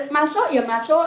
masuk ya masuk